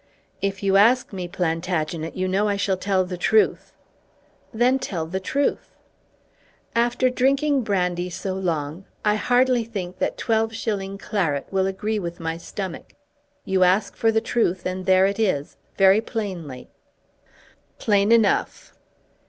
"If you ask me, Plantagenet, you know I shall tell the truth." "Then tell the truth." "After drinking brandy so long I hardly think that 12s. claret will agree with my stomach. You ask for the truth, and there it is, very plainly." "Plain enough!"